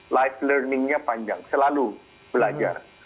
life learning nya panjang selalu belajar